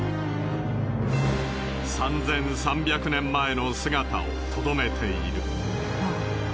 ３３００年前の姿をとどめている。